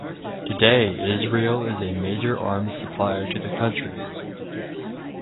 Today, Israel is a major arms supplier to the country.